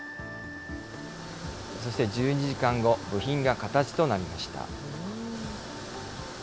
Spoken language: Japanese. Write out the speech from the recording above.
そして１２時間後、部品が形となりました。